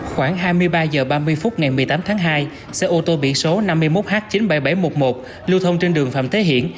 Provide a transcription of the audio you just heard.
khoảng hai mươi ba h ba mươi phút ngày một mươi tám tháng hai xe ô tô biển số năm mươi một h chín mươi bảy nghìn bảy trăm một mươi một lưu thông trên đường phạm thế hiển